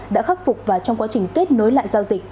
đã khắc phục và trong quá trình tìm hiểu